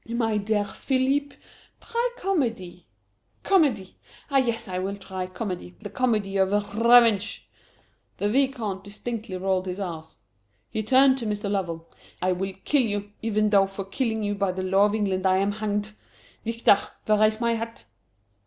"My dear Philippe try comedy!" "Comedy? Ah, yes, I will try comedy the comedy of r r revenge!" The Vicomte distinctly rolled his r's. He turned to Mr. Lovell. "I will kill you, even though for killing you, by the law of England, I am hanged. Victor, where is my hat?"